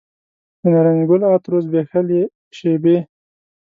د نارنج ګل عطرو زبیښلې شیبې